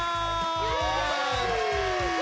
イエーイ！